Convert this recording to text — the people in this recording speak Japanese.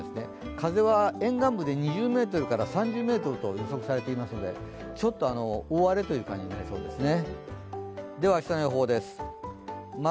風は沿岸部で２０３０ｍと予測されていますのでちょっと大荒れという感じになりそうですね。